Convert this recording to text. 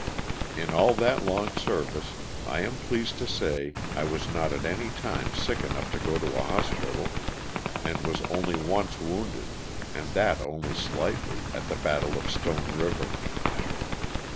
In all that long service, I am pleased to say, I was not at any time sick enough to go to a hospital and was only once wounded, and that only slightly, at the battle of Stone river.